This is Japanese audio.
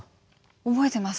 覚えてます。